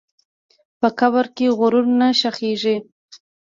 په قبر کې غرور نه ښخېږي.